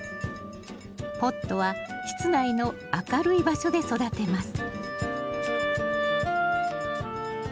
ポットは室内の明るい場所で育てます